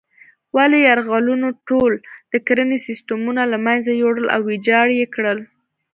ولې یرغلونو ټول د کرنې سیسټمونه له منځه یوړل او ویجاړ یې کړل.